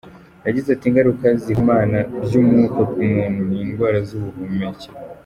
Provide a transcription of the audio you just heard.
Yagize ati “Ingaruka z’ihumana ry’umwuka ku muntu ni indwara z’ubuhumekero.